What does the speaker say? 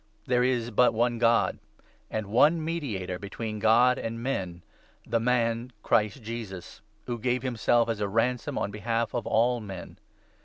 There is but one God, 5 and one mediator between God and men — the man, Christ Jesus, who gave himself as a ransom on behalf of all men.